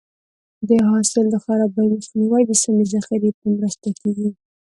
د حاصل د خرابي مخنیوی د سمې ذخیرې په مرسته کېږي.